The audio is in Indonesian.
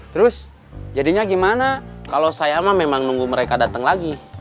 terus jadinya gimana kalau saya mah memang nunggu mereka datang lagi